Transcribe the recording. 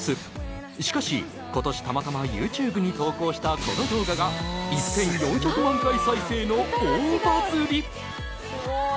しかし今年たまたまＹｏｕＴｕｂｅに投稿したこの動画が。の大バズり。